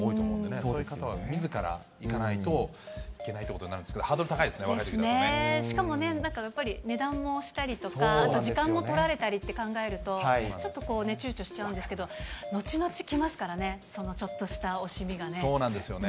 そういう方はみずから行かないといけないということになるんですけど、ハードル高いですね、しかもね、やっぱり、値段もしたりとか、あと時間も取られたりとかって考えると、ちょっとちゅうちょしちゃうんですけど、後々きますからね、そうなんですよね。